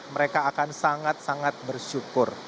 mereka akan sangat sangat bersyukur